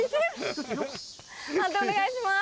判定お願いします。